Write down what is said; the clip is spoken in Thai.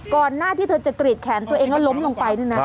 ก่อนหน้าที่เธอจะกรีดแขนตัวเองก็ล้มลงไปนะนะครับ